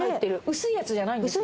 薄いやつじゃないんです